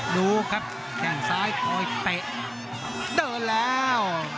ดูครับแข่งซ้ายคอยเตะเดินแล้ว